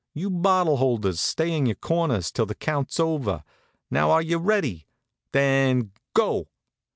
You bottle holders stay in your corners till the count's over. Now are you ready? Then go!"